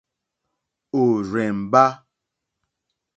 Òrzèmbá.